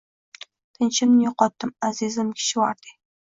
Tinchimni yoʻqotdim, azizim Kishvardi!